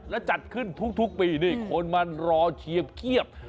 และจัดขึ้นทุกปีนี่คนมารอเชียบ